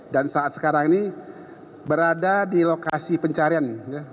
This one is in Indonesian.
dan saat sekarang ini berada di lokasi pencarian